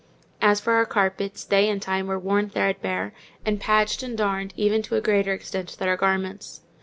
As for our carpets, they in time were worn threadbare, and patched and darned even to a greater extent than our garments.